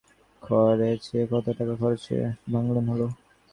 বড় বড় এঞ্জিনিয়ারে সুড়ঙ্গ তৈরি করেচে, কত টাকা খরচ করেচে, ভাঙলেই হল!